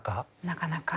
なかなか。